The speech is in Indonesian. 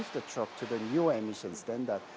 untuk mengubah kendaraan ke standar emisi baru